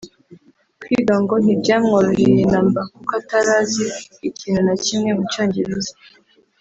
Kwiga ngo ntibyamworoheye namba kuko atari azi ikintu na kimwe mu cyongereza